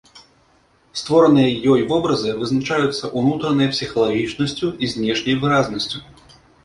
Створаныя ёй вобразы вызначаюцца ўнутранай псіхалагічнасцю і знешняй выразнасцю.